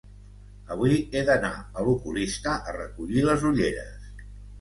Avui he d'anar a l'oculista a recollir les ulleres.